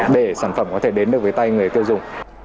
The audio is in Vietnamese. để sản phẩm có thể đến được với tay người tiêu dùng